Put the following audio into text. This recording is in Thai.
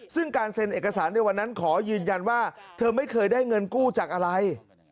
ซึ่งการเซ็นเอกสารในวันนั้นขอยืนยันว่าเธอไม่เคยได้เงินกู้จากอะไร